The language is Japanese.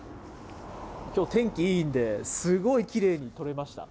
きょう天気いいんで、すごいきれいに撮れました。